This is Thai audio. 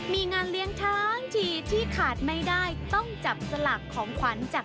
มีงานเลี้ยงทั้งทีที่ขาดไม่ได้ต้องจับสลากของขวัญจาก